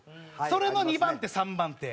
それの２番手３番手。